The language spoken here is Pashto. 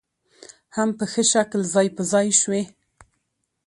هم په ښه شکل ځاى په ځاى شوې